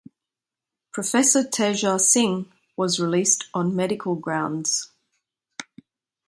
Professor Teja Singh was released on medical grounds.